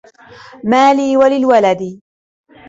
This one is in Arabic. مَا لِي وَلِلْوَلَدِ